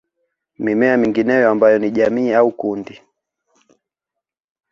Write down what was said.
Mimea mingineyo ambayo ni jamii au kundi